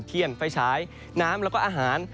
เทียนไฟฉายน้ำแล้วก็อาหาร